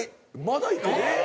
まだいく！？